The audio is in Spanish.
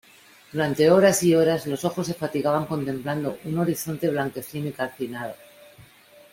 durante horas y horas, los ojos se fatigaban contemplando un horizonte blanquecino y calcinado.